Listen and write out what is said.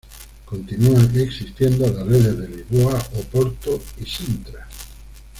Continúan existiendo las redes de Lisboa, Oporto y Sintra.